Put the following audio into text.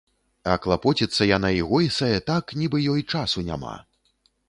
А клапоціцца яна і гойсае так, нібы ёй часу няма.